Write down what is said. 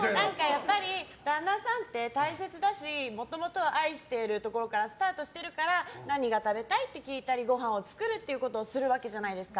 やっぱり旦那さんって大切だしもともとは愛してるところからスタートしてるから何が食べたいって聞いたりご飯を作ったりするわけじゃないですか。